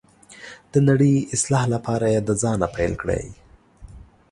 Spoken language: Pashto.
د نړۍ اصلاح لپاره یې د ځانه پیل کړئ.